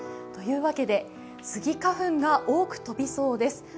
というわけで、スギ花粉が多く飛びそうです。